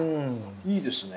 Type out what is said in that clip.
いいですね。